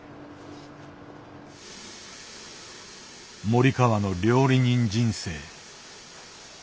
森川の料理人人生。